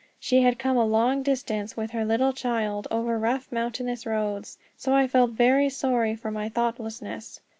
She had come a long distance, with her little child, over rough mountainous roads, so I felt very sorry for my thoughtlessness.